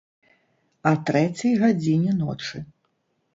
А трэцяй гадзіне ночы!